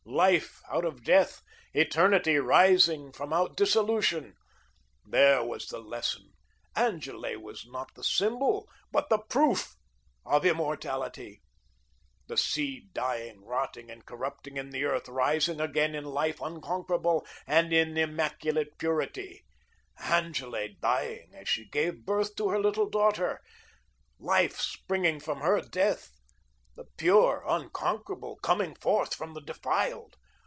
Life out of death, eternity rising from out dissolution. There was the lesson. Angele was not the symbol, but the PROOF of immortality. The seed dying, rotting and corrupting in the earth; rising again in life unconquerable, and in immaculate purity, Angele dying as she gave birth to her little daughter, life springing from her death, the pure, unconquerable, coming forth from the defiled.